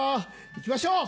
行きましょう！